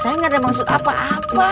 saya gak ada maksud apa apa